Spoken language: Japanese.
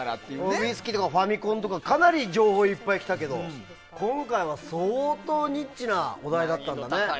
ウイスキーとかファミコンとかかなり情報いっぱい来たけど今回は相当ニッチなお題だったんだね。